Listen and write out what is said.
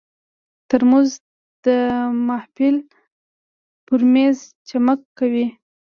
ترموز د محفل پر مېز چمک کوي.